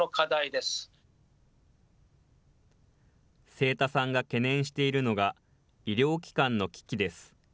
清田さんが懸念しているのが、医療機関の危機です。